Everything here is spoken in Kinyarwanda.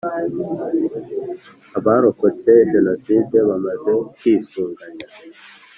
abarokotse Jenoside bamaze kwisuganya